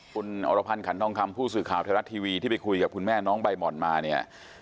คุณอรพันธ์ขันทองคำผู้สื่อข่าวไทยรัฐทีวีที่ไปคุยกับคุณแม่น้องใบหม่อนมาเนี่ย